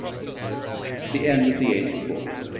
The End Of The Eighth Book.